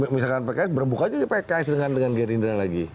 misalkan pks berbuka aja pks dengan gerindra lagi